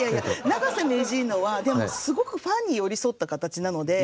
永瀬名人のはでもすごくファンに寄り添った形なので。